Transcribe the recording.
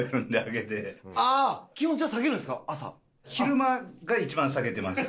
昼間が一番下げてます。